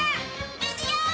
無事よ！